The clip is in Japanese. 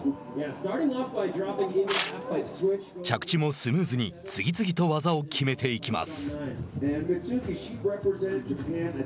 着地もスムーズに次々と技を決めていきます。